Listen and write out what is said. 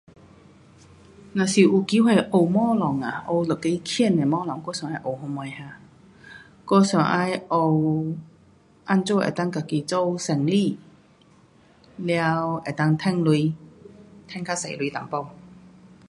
若是有机会学东西啊，学一个棒的东西，我想要学什么哈？我想要学怎样能够自己做生意。完，能够赚钱，赚较多钱一点。